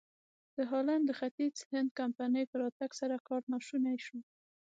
د هالنډ د ختیځ هند کمپنۍ په راتګ سره کار ناشونی شو.